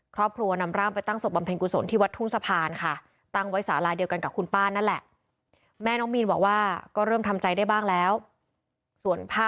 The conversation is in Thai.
ครอบครัวนำร่างไปตั้งศพบำเพ็ญกุศลที่วัดทุ่งสะพานค่ะ